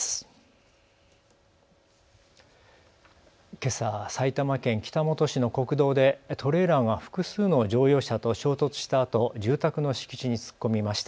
けさ、埼玉県北本市の国道でトレーラーが複数の乗用車と衝突したあと住宅の敷地に突っ込みました。